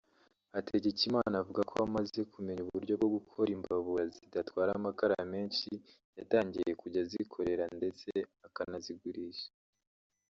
Hategekimana avuga ko amaze kumenya uburyo bwo gukora imbabura zidatwara amakara menshi; yatangiye kujya azikorera ndetse akanazigurisha